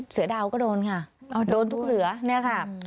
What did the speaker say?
เสือดาวก็โดนค่ะโดนทุกเสือเนี่ยค่ะ